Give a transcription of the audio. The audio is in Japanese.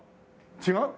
違う？